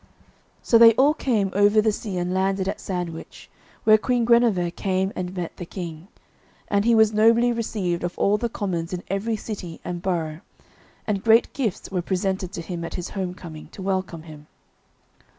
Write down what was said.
So they all came over sea, and landed at Sandwich, where Queen Guenever came and met the King. And he was nobly received of all the commons in every city and borough, and great gifts were presented to him at his home coming, to welcome him.